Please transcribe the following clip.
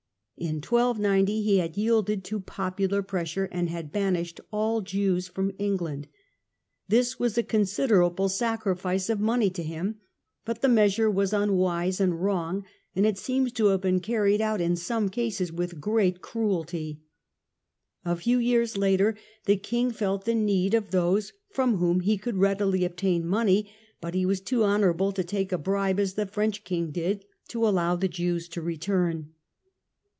In 1290 he had yielded to popular pressure, and Edward's ^^ banished all Jews from England. This monev was a Considerable sacrifice of money to him; troub es. ^^^^^^ measure was unwise and wrong, and it seems to have been carried out in some cases with great cruelty. A few years later the king felt the need of those from whom he could readily obtain money, but he was too honourable to take a bribe (as the French king did) to allow the Jews to return.